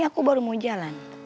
aku baru mau jalan